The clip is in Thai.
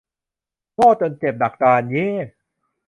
โง่จนเจ็บ ดักดาน เย้ !